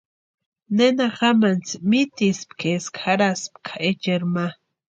¿Nena jamantsï mitispki eska jarhaspka echeri ma?